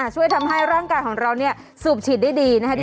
ใช้เมียได้ตลอด